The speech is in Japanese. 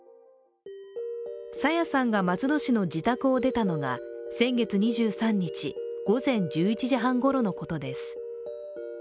朝芽さんが松戸市の自宅を出たのが先月２３日、午前１１時半ごろのことです。